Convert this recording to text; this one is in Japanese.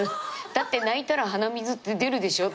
だって泣いたら鼻水って出るでしょ？